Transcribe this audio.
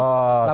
oh salah lagi